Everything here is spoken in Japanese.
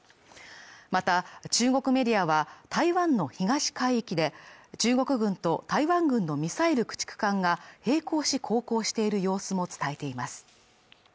また、中国メディアは台湾の東海域で中国軍と台湾軍のミサイル駆逐艦が並行し航行している様子も伝えています。